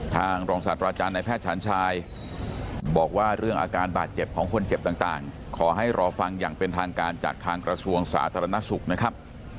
ทางรองศาสตราจารย์ในแพทย์ฉันชายบอกว่าเรื่องอาการบาดเจ็บของคนเจ็บต่างขอให้รอฟังอย่างเป็นทางการจากทางกระทรวงสาธารณสุขนะครับ